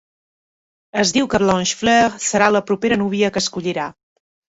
Es diu que Blanchefleur serà la propera núvia que escollirà.